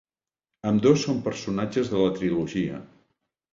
Ambdós són personatges de la trilogia.